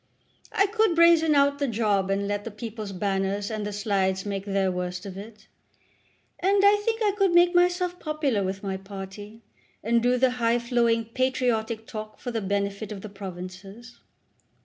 I could brazen out a job and let the 'People's Banners' and the Slides make their worst of it. And I think I could make myself popular with my party, and do the high flowing patriotic talk for the benefit of the Provinces.